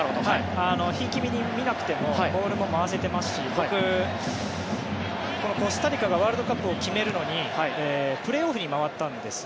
ひいき目に見なくてもボールも回せていますしコスタリカがワールドカップを決めるのにプレーオフに回ったんです。